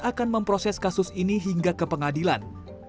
akan memproses kasus ini hingga ke pengadilan